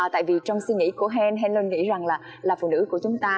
tại vì trong suy nghĩ của hèn hèn luôn nghĩ rằng là là phụ nữ của chúng ta